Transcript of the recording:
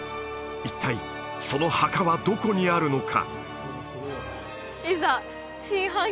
一体その墓はどこにあるのか？